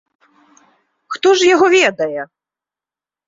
Хто ж яго ведае!